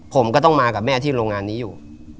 ผมก็ต้องมากับแม่ที่โรงงานนี้อยู่